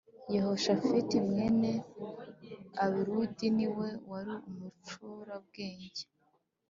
Yehoshafati mwene Ahiludi ni we wari umucurabwenge